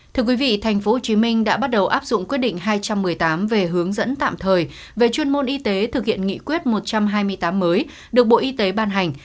thưa quý vị tp hcm đã bắt đầu áp dụng quyết định hai trăm một mươi tám về hướng dẫn tạm thời về chuyên môn y tế thực hiện nghị quyết một trăm hai mươi tám mới được bộ y tế ban hành